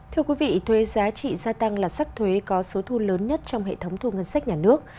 thưa quý vị thuê giá trị gia tăng là sắc thuế có số thu lớn nhất trong hệ thống thu ngân sách nhà nước